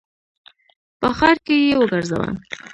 په ښار کي یې وګرځوه !